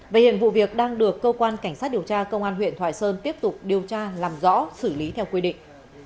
và hiện vụ việc đang được cơ quan cảnh sát điều tra công an huyện thoại sơn tiếp tục điều tra làm rõ xử lý theo quy định